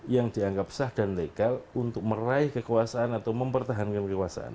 yang dianggap sah dan legal untuk meraih kekuasaan atau mempertahankan kekuasaan